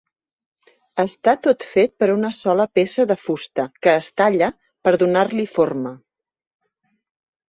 Està tot fet per una sola peça de fusta que es talla per donar-li forma.